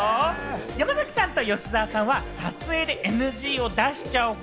山崎さんと吉沢さんは撮影でＮＧを出しちゃう方？